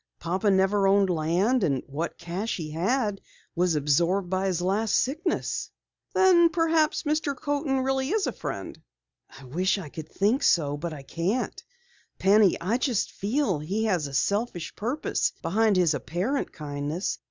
Papa never owned land, and what cash he had was absorbed by his last sickness." "Then perhaps Mr. Coaten really is a friend." "I wish I could think so, but I can't. Penny, I just feel that he has a selfish purpose behind his apparent kindness.